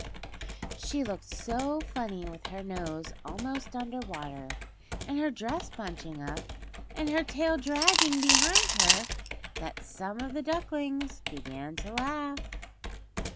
She looked so funny with her nose almost under water and her dress bunching up, and her tail dragging behind her, that some of the ducklings began to laugh.